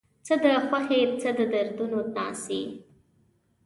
څه د خوښۍ څه د دردونو ناڅي